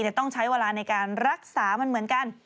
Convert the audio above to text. จะต้องใช้เวลาในการรักษามันเหมือนกัน